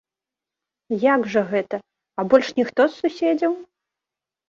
Як жа гэта, а больш ніхто з суседзяў?